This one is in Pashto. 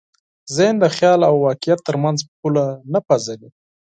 ذهن د خیال او واقعیت تر منځ پوله نه پېژني.